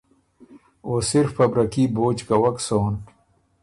او صرف په برکي بوجھ کوَک سون۔